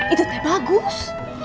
itu teh bagus